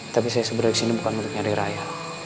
tapi saya sebera disini bukan untuk nyari raya